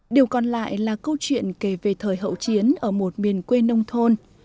điều còn lại là câu chuyện kể về thời hậu chiến ở một miền quê nông thôn